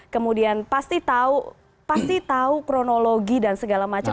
kemudian pasti tahu kronologi dan segala macam